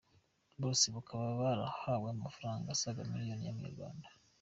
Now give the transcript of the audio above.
Bose bakaba barahawe amafaranga asaga miliyoni y’amanyarwanda.